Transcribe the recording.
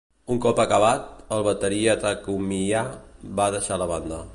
Un cop acabat, el bateria Takumiya va deixar la banda.